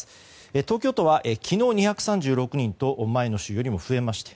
東京都は昨日２３６人と前の週よりも増えました。